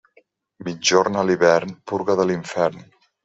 Migjorn a l'hivern, purga de l'infern.